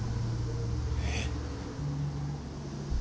えっ！？